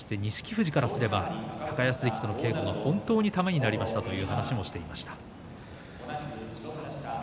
富士からすれば高安関との稽古は本当にためになりましたという話をしていました。